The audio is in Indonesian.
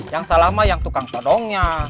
yang salah mah yang tukang todongnya